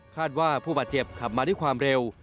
คาดว่าผู้บาดเจ็บขับมาด้วยความเร็ว